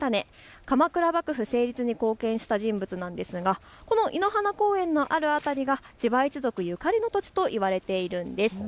鎌倉幕府成立に貢献した人物なんですがこの亥鼻公園のある辺りは千葉一族ゆかりの土地といわれているんです。